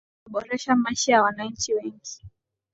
kwa kuwa kimeboresha maisha ya wananchi wengi